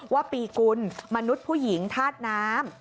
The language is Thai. ว่าปีกุลมนุษย์ผู้หญิงธาตุน้ำ